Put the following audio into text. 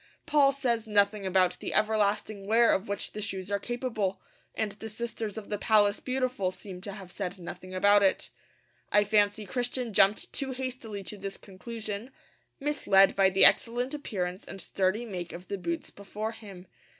Paul says nothing about the everlasting wear of which the shoes are capable; and the sisters of the Palace Beautiful seem to have said nothing about it. I fancy Christian jumped too hastily to this conclusion, misled by the excellent appearance and sturdy make of the boots before him.